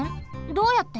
どうやって？